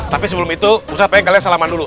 tapi sebelum itu usaha pengen kalian salaman dulu